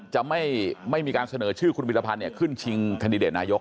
จะไม่มีการเสนอชื่อคุณวิรพันธ์ขึ้นชิงแคนดิเดตนายก